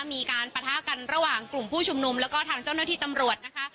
ปะทะกันระหว่างกลุ่มผู้ชุมนุมแล้วก็ทางเจ้าหน้าที่ตำรวจนะคะ